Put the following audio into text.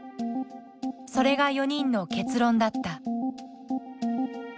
それが４人の結論だった。